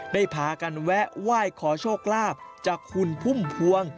พากันแวะไหว้ขอโชคลาภจากคุณพุ่มพวง